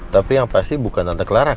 tapi yang pasti bukan tante clara kan